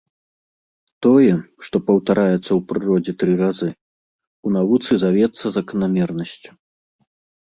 Тое, што паўтараецца ў прыродзе тры разы, у навуцы завецца заканамернасцю.